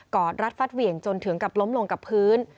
อดรัดฟัดเหวี่ยงจนถึงกับล้มลงกับพื้น